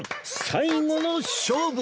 最後の勝負！